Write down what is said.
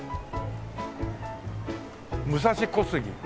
武蔵小杉。